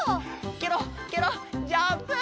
ケロッケロッジャンプ！